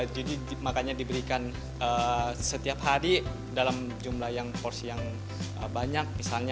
makanya diberikan setiap hari dalam jumlah yang porsi yang banyak misalnya